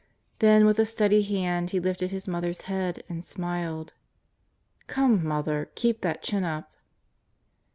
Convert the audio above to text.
Then with a steady hand he lifted his mother's head and smiled: "Come, Mother, keep that chin up!"